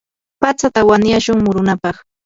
patsata wanyashun murunapaq.